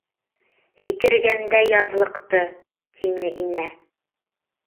— Һикергәндә яҙлыҡты... — тине Инә.